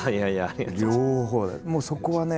もうそこはね